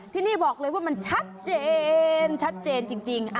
ที่นี่บอกเลยว่ามันชัดเจนชัดเจนจริง